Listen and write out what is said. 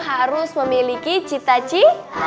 harus memiliki cita ci